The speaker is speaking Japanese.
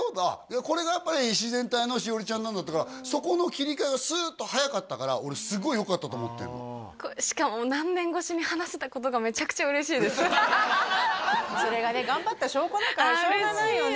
これがやっぱり自然体の栞里ちゃんなんだからそこの切り替えがスーッと早かったから俺すごいよかったと思ってるしかもそれがね頑張った証拠だからしょうがないよね